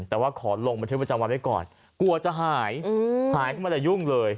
แต่ว่าขอลงบันทึกประจำวันไว้ก่อนกลัวจะหายหายขึ้นมาแล้วยุ่งเลย